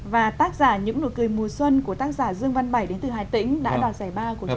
và tác giả những nụ cười mùa xuân của tác giả dương văn bảy đến từ hà tĩnh đã đạt giải ba của chương trình hôm nay